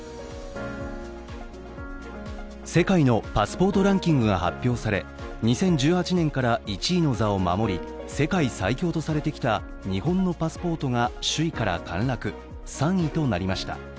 世界のパスポートランキングが発表され２０１８年から１位の座を守り世界最強とされてきた日本のパスポートが首位から陥落、３位となりました。